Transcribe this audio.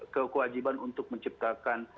kekuajiban untuk menciptakan